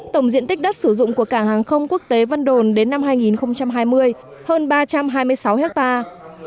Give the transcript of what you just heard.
tổng diện tích đất sử dụng của cảng hàng không quốc tế vân đồn đến năm hai nghìn hai mươi hơn ba trăm hai mươi sáu hectare